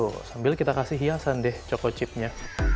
tuh sambil kita kasih hiasan deh coklo chipnya